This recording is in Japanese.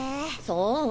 そう？